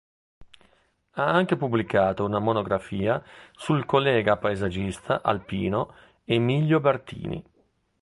Ha anche pubblicato una monografia sul collega paesaggista alpino Emilio Bertini.